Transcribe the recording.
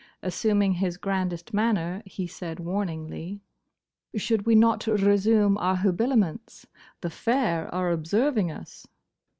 Assuming his grandest manner, he said warningly: "Should we not resume our habiliments? The fair are observing us."